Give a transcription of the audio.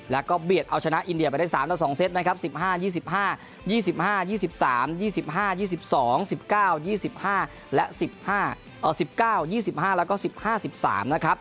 แล้วก็เบียดเอาชนะอินเดียไปได้๓ต่อ๒เซต